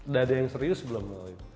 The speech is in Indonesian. udah ada yang serius belum